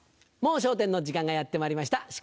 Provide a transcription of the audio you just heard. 『もう笑点』の時間がやってまいりました。